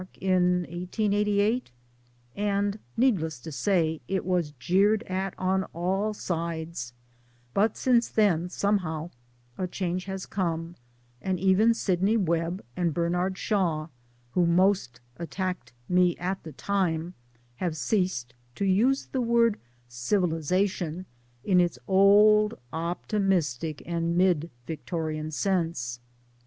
in 1888), and, needless to say, it was jeered at on all sides ; but since then, somehow, a change has come, and even Sidney Webb and Ber nard Shaw, who most attacked me at the time, have ceased to use the word ' Civilization ' in its old optimistic and mid Victorian sense.